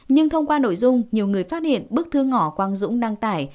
nhưng thông qua nội dung nhiều người phát hiện bức thư ngỏ quang dũng đăng tải